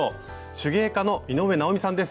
手芸家の井上直美さんです。